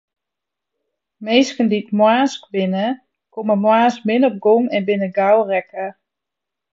Minsken dy't moarnsk binne, komme moarns min op gong en binne gau rekke.